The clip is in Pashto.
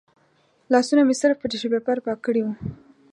لاسونه مې صرف په ټیشو پیپر پاک کړي و.